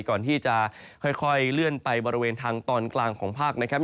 ก่อนที่จะค่อยเลื่อนไปบริเวณทางตอนกลางของภาคนะครับ